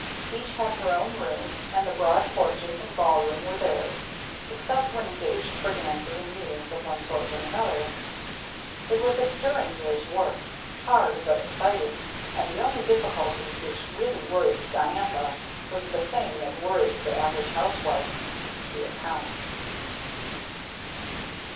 Each had her own room, and the broad porches and ball room were theirs, except when engaged for dances and meetings of one sort and another. It was a stirring year's work, hard but exciting, and the only difficulty which really worried Diantha was the same that worried the average housewife the accounts.